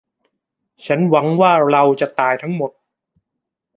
ฉันหวังว่าเราจะตายทั้งหมด